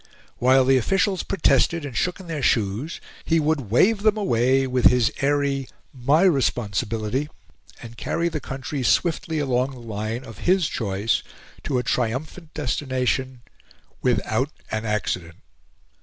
While the officials protested and shook in their shoes, he would wave them away with his airy "MY responsibility!" and carry the country swiftly along the line of his choice, to a triumphant destination without an accident.